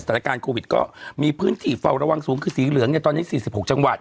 สถานการณ์โควิดก็มีพื้นที่เฝ้าระวังสูงคือสีเหลืองเนี่ยตอนนี้๔๖จังหวัด